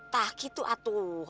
tak gitu atuh